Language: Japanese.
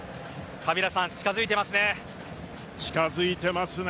カビラさん、近づいていますね。